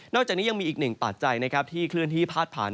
จากนี้ยังมีอีกหนึ่งปัจจัยนะครับที่เคลื่อนที่พาดผ่าน